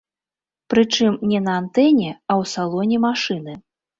Прычым не на антэне, а ў салоне машыны.